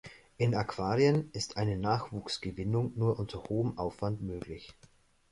In Aquarien ist eine Nachwuchsgewinnung nur unter hohem Aufwand möglich.